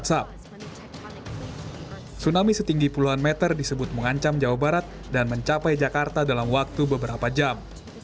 tsunami setinggi puluhan meter disebut mengancam jawa barat dan mencapai jakarta dalam waktu beberapa jam